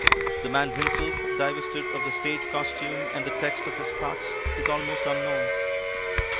The man himself, divested of the stage costume and the text of his parts, is almost unknown.